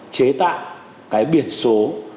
chế tạo cái biển số